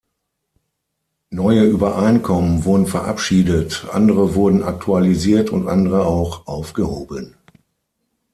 Neue Übereinkommen wurden verabschiedet, andere wurden aktualisiert und andere auch aufgehoben.